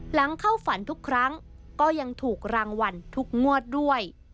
หลังเข้าฝันทุกครั้งก็ยังถูกรางวัลทุกงวดด้วย